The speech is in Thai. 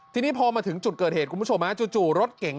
ทีนี้พอมาถึงจุดเกิดเหตุคุณผู้ชมจู่รถเก๋ง